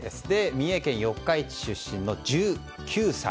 三重県四日市市出身の１９歳。